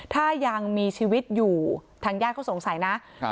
ถ้ายังมีชีวิตอยู่ทางญาติเขาสงสัยนะครับ